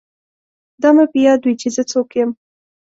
دا مې په یاد وي چې زه څوک یم